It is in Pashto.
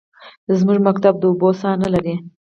زموږ ښوونځی د اوبو څاه نلري